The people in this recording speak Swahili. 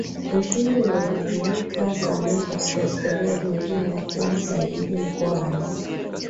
Ushindi uliomuweka Samia katika historia nyingine ya kua msaidizi mkuu wa Rais